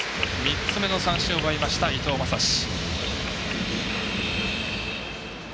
３つ目の三振を奪いました伊藤将司。